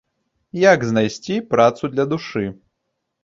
Як знайсці працу для душы?